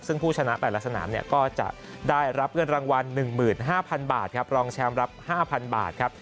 ซึ่งผู้ชนะแต่ละสนามก็จะได้รับเงินรางวัล๑๕๐๐บาทครับรองแชมป์รับ๕๐๐บาทครับ